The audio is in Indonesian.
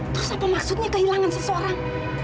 terus apa maksudnya kehilangan seseorang